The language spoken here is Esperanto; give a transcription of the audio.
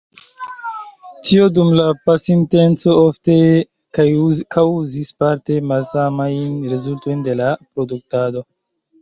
Tio dum la pasinteco ofte kaŭzis parte malsamajn rezultojn de la produktado.